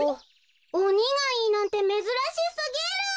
おにがいいなんてめずらしすぎる。